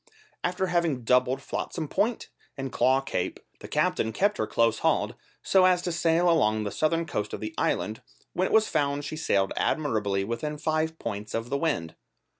After having doubled Flotsam Point and Claw Cape, the captain kept her close hauled, so as to sail along the southern coast of the island, when it was found she sailed admirably within five points of the wind.